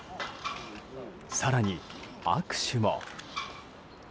更に、握手も。